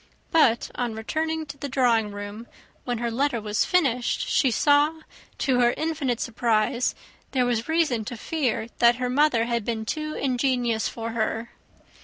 But on her returning to the drawing room, when her letter was finished, she saw, to her infinite surprise, there was reason to fear that her mother had been too ingenious for her.